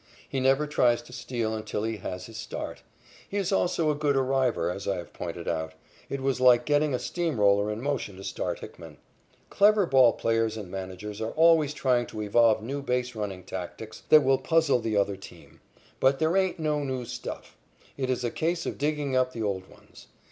He never tries to steal until he has his start. He is also a good arriver, as I have pointed out. It was like getting a steamroller in motion to start Hickman. Clever ball players and managers are always trying to evolve new base running tactics that will puzzle the other team, but "there ain't no new stuff." It is a case of digging up the old ones.